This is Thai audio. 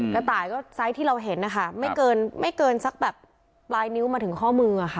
กระต่ายก็ไซส์ที่เราเห็นนะคะไม่เกินไม่เกินสักแบบปลายนิ้วมาถึงข้อมือค่ะ